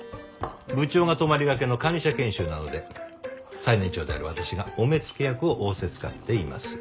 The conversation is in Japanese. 部長が泊まりがけの管理者研修なので最年長である私がお目付け役を仰せつかっています。